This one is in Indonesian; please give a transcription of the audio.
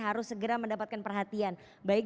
harus segera mendapatkan perhatian baik